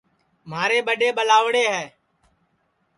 مھارے ٻڈؔے ٻلاؤڑے ہے